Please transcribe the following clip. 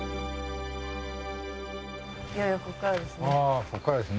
いよいよここからですね。